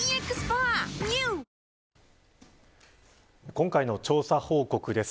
今回の調査報告です。